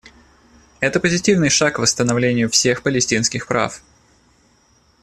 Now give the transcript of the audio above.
Это позитивный шаг к восстановлению всех палестинских прав.